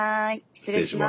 失礼します。